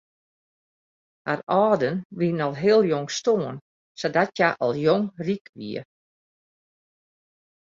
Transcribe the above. Har âlden wiene al heel jong stoarn sadat hja al jong ryk wie.